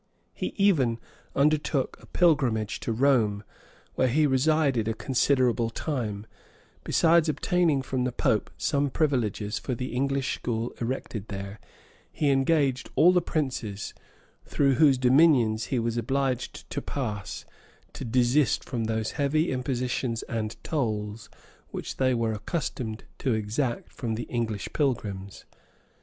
He even undertook a pilgrimage to Rome, where he resided a considerable time: besides obtaining from the pope some privileges for the English school erected there, he engaged all the princes, through whose dominions he was obliged to pass, to desist from those heavy impositions and tolls which they were accustomed to exact from the English pilgrims.